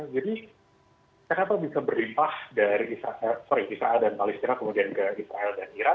jadi kenapa bisa berlimpah dari israel sorry israel dan palestina kemudian ke israel dan iran